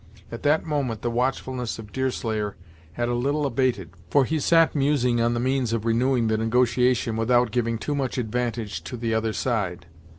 At that moment the watchfulness of Deerslayer had a little abated, for he sat musing on the means of renewing the negotiation without giving too much advantage to the other side.